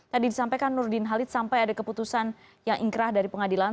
tadi disampaikan nurdin halid sampai ada keputusan yang ingkrah dari pengadilan